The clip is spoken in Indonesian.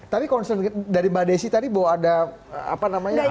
tapi concern dari mbak desi tadi bahwa ada apa namanya